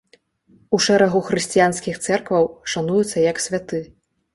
У шэрагу хрысціянскіх цэркваў шануецца як святы.